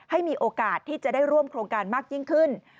ให้มีโอกาสที่จะได้ร่วมโครงการมากยิ่งขึ้น